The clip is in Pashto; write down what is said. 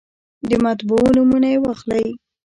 د مطبعو نومونه یې واخلئ.